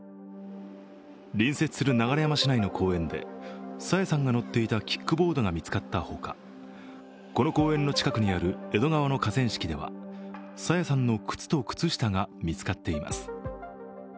隣接する流山市内の公園で朝芽さんが乗っていたキックボードが見つかったほかこの公園の近くにある江戸川の河川敷では、朝芽さんの靴と靴下が見つかっています。